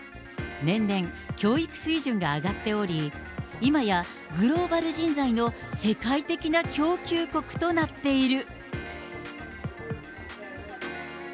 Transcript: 年々、教育水準が上がっており、今やグローバル人材の世界的な供給国となっている。